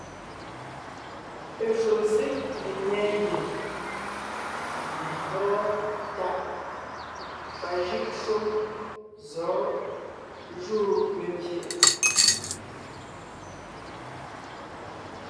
Eshúm ség ne ńnyɛɛ ngie mbɔ́ntáʼ pajʉ́ʼ shúm zɔ̌ jú membyè.